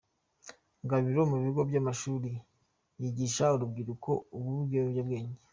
Gabiro mu bigo by'amashuri yigisha urubyiruko ububi bw'ibiyobyabwenge.